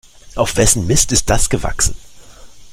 Auf wessen Mist ist das gewachsen?